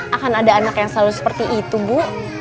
akan ada anak yang selalu seperti itu bu